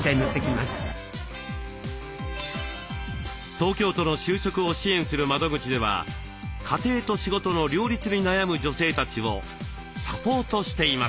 東京都の就職を支援する窓口では家庭と仕事の両立に悩む女性たちをサポートしています。